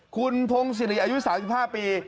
คุณพงศิริอายุ๓๕ปี